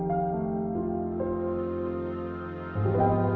oh siapa ini